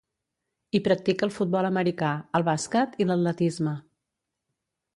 Hi practica el futbol americà, el bàsquet i l'atletisme.